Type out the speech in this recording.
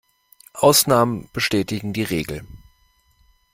Ausnahmen bestätigen die Regel.